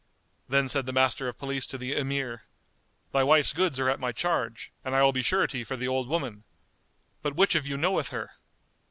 Then said the Master of Police to the Emir, "Thy wife's goods are at my charge and I will be surety for the old woman. But which of you knoweth her?"